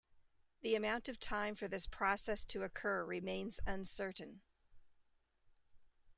The amount of time for this process to occur remains uncertain.